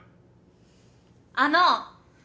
あの！